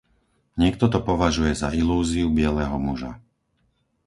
Niekto to považuje za ilúziu bieleho muža.